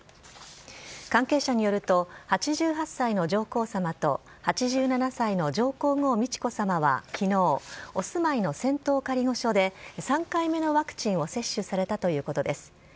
関係者によると、８８歳の上皇さまと、８７歳の上皇后美智子さまはきのう、お住まいの仙洞仮御所で、３回目のワクチンを接種されたということです。